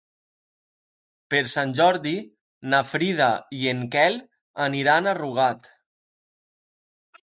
Per Sant Jordi na Frida i en Quel aniran a Rugat.